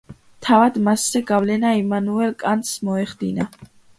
თავად მასზე გავლენა იმანუელ კანტს მოეხდინა.